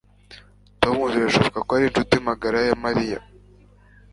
Tom birashoboka ko ari inshuti magara ya Mariya